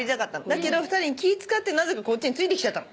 だけど２人に気使ってなぜかこっちについてきちゃったの。